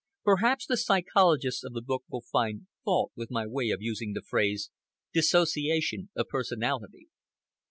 Perhaps the psychologists of the book will find fault with my way of using the phrase, "disassociation of personality."